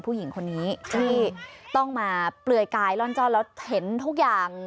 ผู้หญิงคนนี้ที่ต้องมาเปลือยกายร่อนจ้อนแล้วเห็นทุกอย่าง